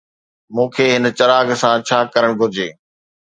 مون کي هن چراغ سان ڇا ڪرڻ گهرجي؟